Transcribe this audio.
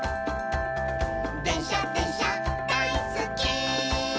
「でんしゃでんしゃだいすっき」